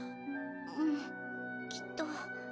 うんきっと。